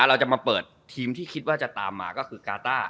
เราจะมาเปิดทีมที่คิดว่าจะตามมาก็คือกาต้า